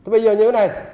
bây giờ như thế này